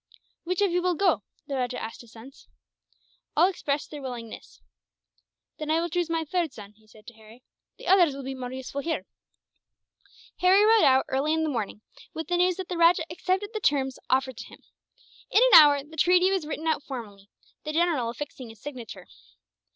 "Which of you will go?" the rajah asked his sons. All expressed their willingness. "Then I will choose my third son," he said to Harry; "the others will be more useful here." Harry rode out, early in the morning, with the news that the rajah accepted the terms offered to him. In an hour the treaty was written out formally, the general affixing his signature.